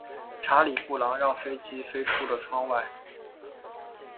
查理布朗让飞机飞出了窗外。